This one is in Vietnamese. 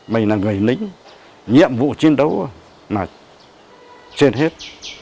mình là người lính nhiệm vụ chiến đấu trên hết